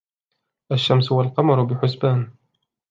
الشَّمْسُ وَالْقَمَرُ بِحُسْبَانٍ